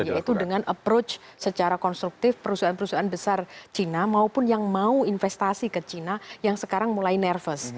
yaitu dengan approach secara konstruktif perusahaan perusahaan besar cina maupun yang mau investasi ke china yang sekarang mulai nervous